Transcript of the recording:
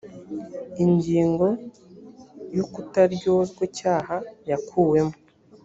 ingingo y’ ukutaryozwa icyaha yakuwemo.